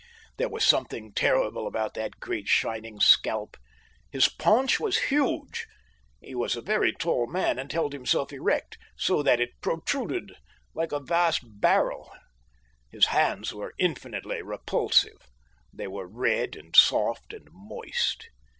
There was something terrible about that great shining scalp. His paunch was huge; he was a very tall man and held himself erect, so that it protruded like a vast barrel. His hands were infinitely repulsive; they were red and soft and moist.